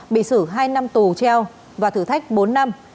bị xử hai năm tù treo và thử thách bốn năm